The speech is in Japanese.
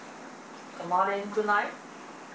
泊まれんくない？